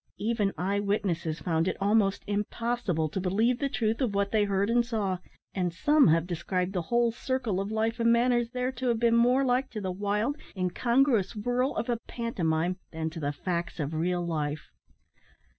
Even eye witnesses found it almost impossible, to believe the truth of what they heard and saw; and some have described the whole circle of life and manners there to have been more like to the wild, incongruous whirl of a pantomime than to the facts of real life.